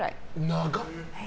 長っ！